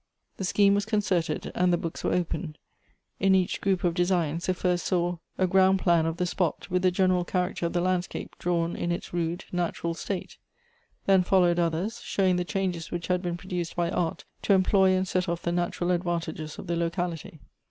The scheme was concerted, and the books were opened. In each group of designs they first saw a ground plan of the spot, with the general character of the landscape, drawn in its rude, natural state. Then followed others, showing the changes which had been produced by art, to employ and set off the natural advantages of the locality.